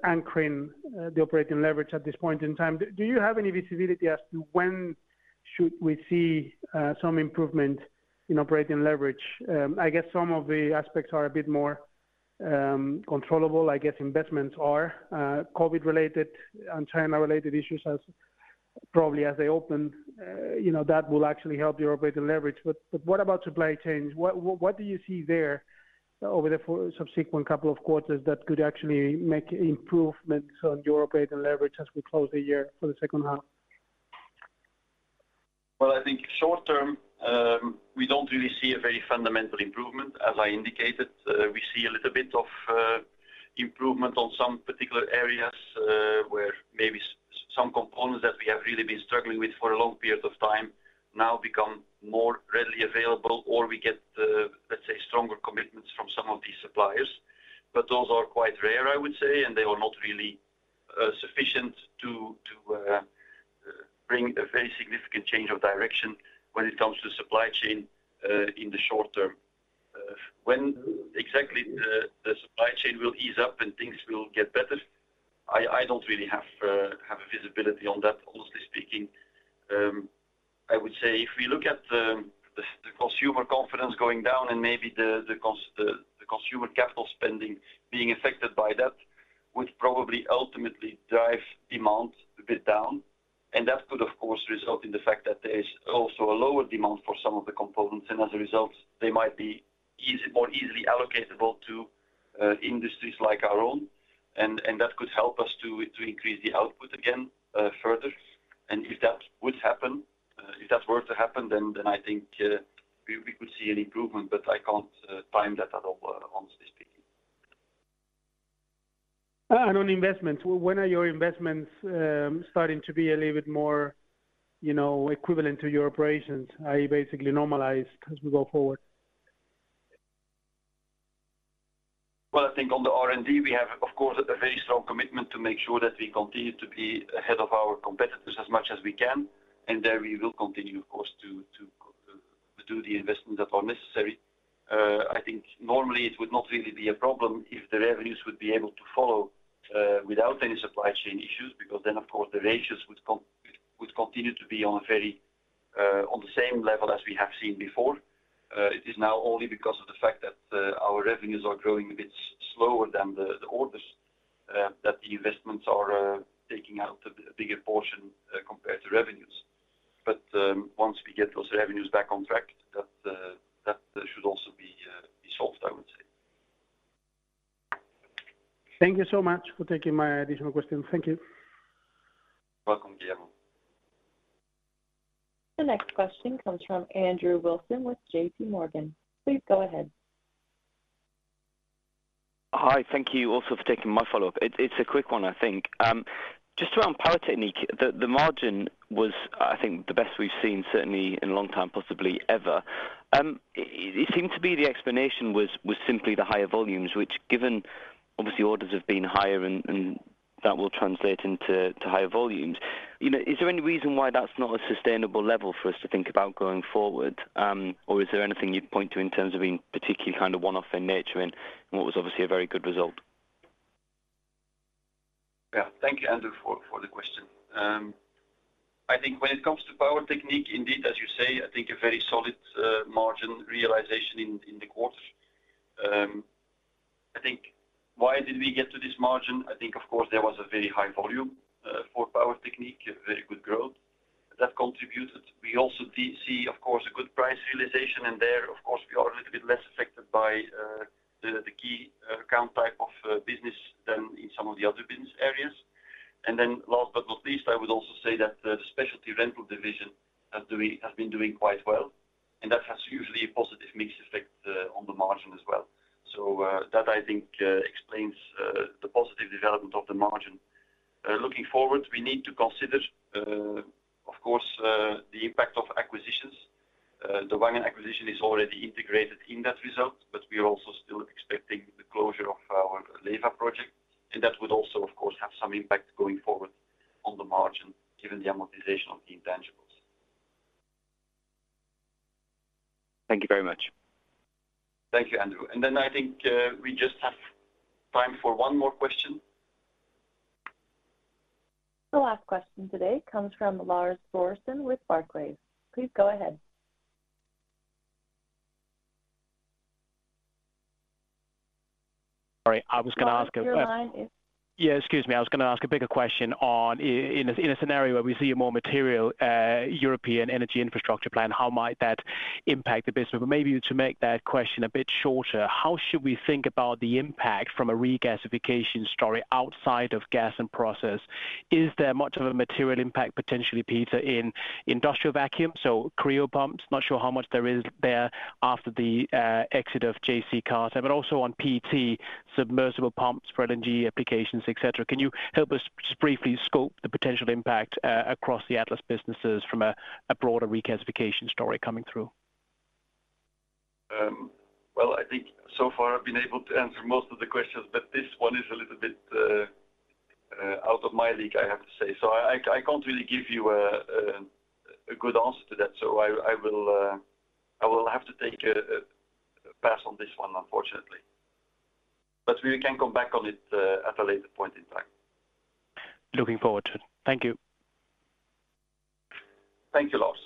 anchoring the operating leverage at this point in time. Do you have any visibility as to when we should see some improvement in operating leverage? I guess some of the aspects are a bit more controllable. I guess investments are COVID related and China related issues. Probably as they opened, you know, that will actually help your operating leverage. But what about supply chains? What do you see there over the subsequent couple of quarters that could actually make improvements on your operating leverage as we close the year for the second half? Well, I think short term, we don't really see a very fundamental improvement. As I indicated, we see a little bit of improvement on some particular areas, where maybe some components that we have really been struggling with for a long period of time now become more readily available, or we get, let's say, stronger commitments from some of these suppliers. Those are quite rare, I would say, and they are not really sufficient to bring a very significant change of direction when it comes to supply chain in the short term. When exactly the supply chain will ease up and things will get better, I don't really have a visibility on that, honestly speaking. I would say if we look at the consumer confidence going down and maybe the consumer capital spending being affected by that would probably ultimately drive demand a bit down. That could, of course, result in the fact that there is also a lower demand for some of the components, and as a result, they might be more easily allocatable to industries like our own. That could help us to increase the output again further. If that would happen, if that were to happen, then I think we could see an improvement, but I can't time that at all, honestly speaking. On investments, when are your investments starting to be a little bit more, you know, equivalent to your operations, are you basically normalized as we go forward? Well, I think on the R&D, we have, of course, a very strong commitment to make sure that we continue to be ahead of our competitors as much as we can. There we will continue, of course, to do the investments that are necessary. I think normally it would not really be a problem if the revenues would be able to follow without any supply chain issues, because then, of course, the ratios would continue to be on the same level as we have seen before. It is now only because of the fact that our revenues are growing a bit slower than the orders that the investments are taking out a bigger portion compared to revenues. Once we get those revenues back on track, that should also be solved, I would say. Thank you so much for taking my additional question. Thank you. Welcome, Guillermo. The next question comes from Andrew Wilson with JPMorgan. Please go ahead. Hi. Thank you also for taking my follow-up. It's a quick one, I think. Just around Power Technique, the margin was, I think, the best we've seen certainly in a long time, possibly ever. It seemed to be the explanation was simply the higher volumes, which given obviously orders have been higher and that will translate into higher volumes. You know, is there any reason why that's not a sustainable level for us to think about going forward? Or is there anything you'd point to in terms of being particularly kind of one-off in nature and what was obviously a very good result? Yeah. Thank you, Andrew, for the question. I think when it comes to Power Technique, indeed, as you say, I think a very solid margin realization in the quarter. I think why did we get to this margin? I think, of course, there was a very high volume for Power Technique, a very good growth. That contributed. We also did see, of course, a good price realization. And there, of course, we are a little bit less affected by the key account type of business than in some of the other business areas. And then last but not least, I would also say that the Specialty Rental division has been doing quite well, and that has usually a positive mix effect on the margin as well. That I think explains the positive development of the margin. Looking forward, we need to consider, of course, the impact of acquisitions. The Wangen acquisition is already integrated in that result, but we are also still expecting the closure of our LEWA project, and that would also, of course, have some impact going forward on the margin, given the amortization of the intangibles. Thank you very much. Thank you, Andrew. I think we just have time for one more question. The last question today comes from Lars Brorson with Barclays. Please go ahead. Sorry. I was gonna ask a- Lars Brorson, your line is- Yeah, excuse me. I was gonna ask a bigger question in a scenario where we see a more material European energy infrastructure plan, how might that impact the business? Maybe to make that question a bit shorter, how should we think about the impact from a regasification story outside of gas and process? Is there much of a material impact potentially, Peter, in industrial vacuum? So cryo pumps, not sure how much there is there after the exit of J.C. Carter, but also on PT, submersible pumps for LNG applications, et cetera. Can you help us just briefly scope the potential impact across the Atlas businesses from a broader regasification story coming through? Well, I think so far I've been able to answer most of the questions, but this one is a little bit out of my league, I have to say. I can't really give you a good answer to that. I will have to take a pass on this one, unfortunately. We can come back on it at a later point in time. Looking forward to it. Thank you. Thank you, Lars.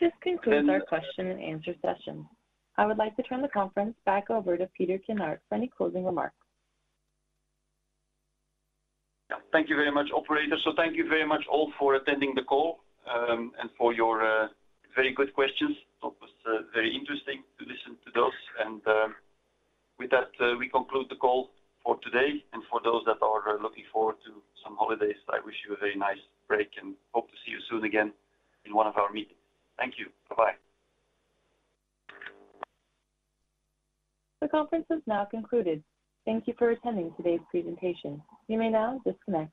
This concludes our question and answer session. I would like to turn the conference back over to Peter Kinnart for any closing remarks. Yeah. Thank you very much, operator. Thank you very much all for attending the call, and for your very good questions. It was very interesting to listen to those. With that, we conclude the call for today. For those that are looking forward to some holidays, I wish you a very nice break and hope to see you soon again in one of our meetings. Thank you. Bye-bye. The conference is now concluded. Thank you for attending today's presentation. You may now disconnect.